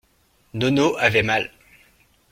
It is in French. Nono avait mal.